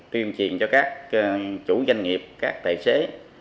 tuyên truyền cho các chủ doanh nghiệp các tài xế